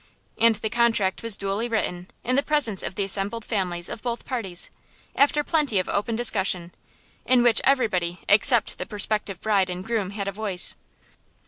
And the contract was duly written, in the presence of the assembled families of both parties, after plenty of open discussion, in which everybody except the prospective bride and groom had a voice.